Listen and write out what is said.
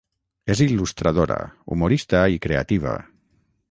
És il·lustradora, humorista i creativa.